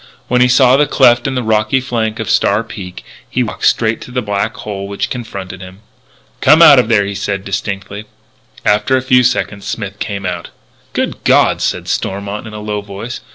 When he saw the cleft in the rocky flank of Star Peak, he walked straight to the black hole which confronted him. "Come out of there," he said distinctly. After a few seconds Smith came out. "Good God!" said Stormont in a low voice.